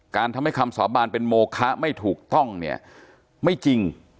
ทำให้คำสาบานเป็นโมคะไม่ถูกต้องเนี่ยไม่จริง